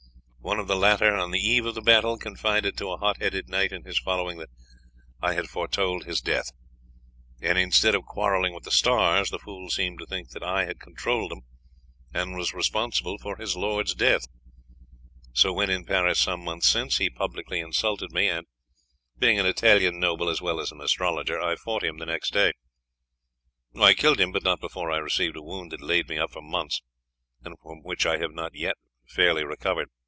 One of the latter, on the eve of the battle, confided to a hot headed knight in his following that I had foretold his death; and instead of quarrelling with the stars, the fool seemed to think that I had controlled them, and was responsible for his lord's death. So when in Paris some months since, he publicly insulted me, and being an Italian noble as well as an astrologer, I fought him the next day. I killed him, but not before I received a wound that laid me up for months, and from which I have not yet fairly recovered.